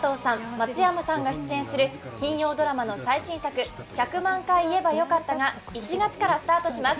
松山さんが出演する金曜ドラマの最新作「１００万回言えばよかった」が１月からスタートします